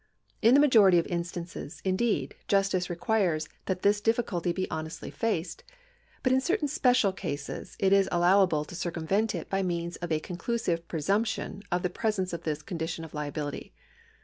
In the majority of instances, indeed, justice requires that this difficulty be honestly faced ; but in certain special cases it is allowable to circumvent it by means of a conclusive presumption of the presence of this condition of liability.